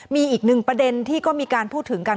มีอีกหนึ่งประเด็นที่ก็มีการพูดถึงกัน